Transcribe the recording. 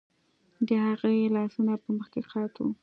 د هغې لاسونه په مخ کې قات وو